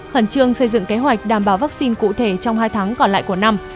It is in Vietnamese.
khẩn trương xây dựng kế hoạch đảm bảo vaccine cụ thể trong hai tháng còn lại của năm